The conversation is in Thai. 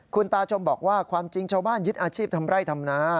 คุณตาชมบอกว่าความจริงชาวบ้านยึดอาชีพทำไร่ทำนา